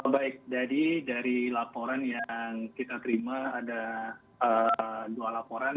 baik jadi dari laporan yang kita terima ada dua laporan